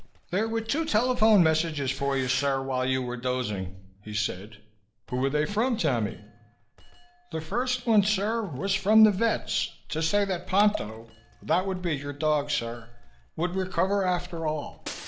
"There were two telephone messages for you, sir, while you were dozing," he said. "Who were they from, Tammy?" "The first one, sir, was from the vet's to say that Ponto that would be your dog, sir would recover after all.